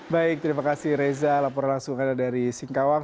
baik terima kasih reza laporan langsung anda dari singkawang